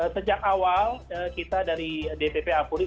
sejak awal kita dari dpp apuri